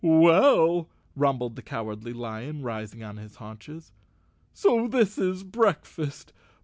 "Well," rumbled the Cowardly Lion, rising on his haunches, "so this is breakfast?